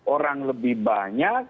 orang lebih banyak